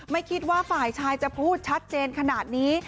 ไม่คิดว่าฝ่ายชายจะพูดชัดเจนขนาดนี้